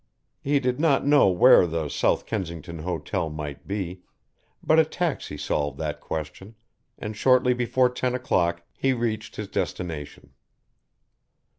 He did not know where the South Kensington Hotel might be, but a taxi solved that question and shortly before ten o'clock he reached his destination.